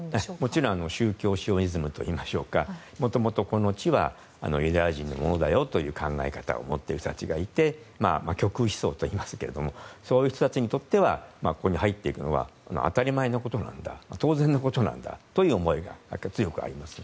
もちろん宗教シオニズムといいますかもともと、この地はユダヤ人のものだよという考え方を持っている人たちがいて極右思想といいますけどそういう人たちにとってはここに入っていくのは当たり前のことなんだ当然のことなんだという思いが強くあります。